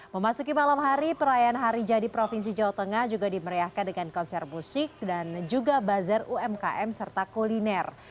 memasuki malam hari perayaan hari jadi provinsi jawa tengah juga dimeriahkan dengan konser musik dan juga bazar umkm serta kuliner